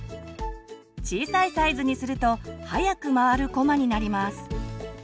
小さいサイズにすると速く回るこまになります。